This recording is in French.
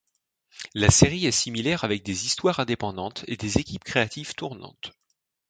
La série est similaire avec des histoires indépendantes et des équipes créatives tournantes.